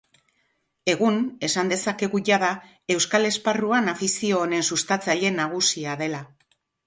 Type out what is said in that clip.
Egun, esan dezakegu jada, euskal esparruan afizio honen sustatzaile nagusia dela.